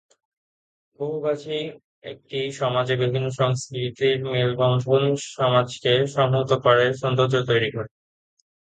বহুভাষিক একটি সমাজে বিভিন্ন সংস্কৃতির মেলবন্ধন সমাজকে সংহত করে, সৌন্দর্য তৈরি করে।